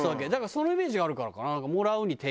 そのイメージがあるからかな？